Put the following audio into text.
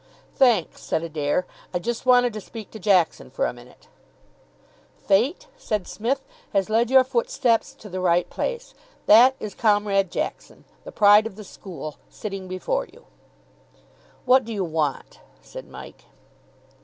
"Thanks," said Adair. "I just wanted to speak to Jackson for a minute." "Fate," said Psmith, "has led your footsteps to the right place. That is Comrade Jackson, the Pride of the School, sitting before you." "What do you want?" said Mike.